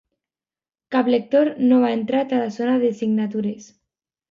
Cap lector no ha entrat a la zona de signatures.